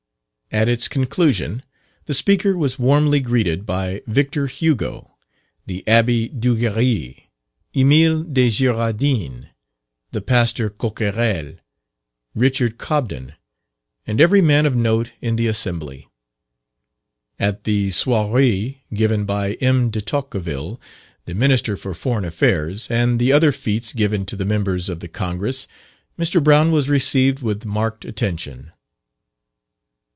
At its conclusion the speaker was warmly greeted by Victor Hugo, the Abbe Duguerry, Emile de Girardin, the Pastor Coquerel, Richard Cobden, and every man of note in the Assembly. At the soiree given by M. De Tocqueville, the Minister for Foreign Affairs, and the other fetes given to the Members of the Congress, Mr. Brown was received with marked attention.